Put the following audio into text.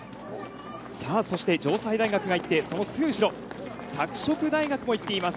そして城西大学がいってそのすぐ後ろ拓殖大学も行ってます。